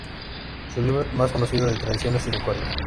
Su libro más conocido es "Tradiciones y recuerdos.